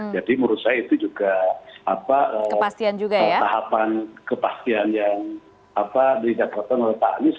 menurut saya itu juga tahapan kepastian yang didapatkan oleh pak anies